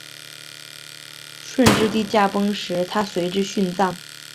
顺治帝驾崩时她随之殉葬。